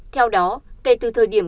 theo đó kể từ thời điểm